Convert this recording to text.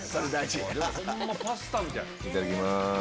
いただきます。